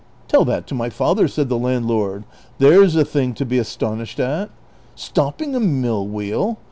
" Tell that to my father," said the landlord. " There 's a thing to be astonished at ! Stopping a mill wheel